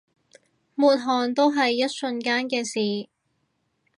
抹汗都係一瞬間嘅事